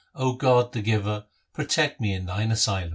0 God, the Giver, protect me in Thine asylum.